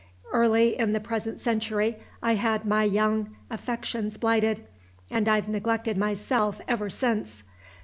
Early in the present century I had my young affections blighted; and I've neglected myself ever since.